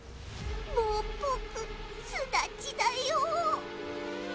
もうぼく巣立ちだよ。